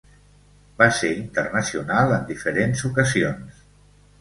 Va ser internacional en diferents ocasions.